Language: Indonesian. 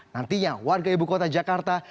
nantinya warga ibu kota jakarta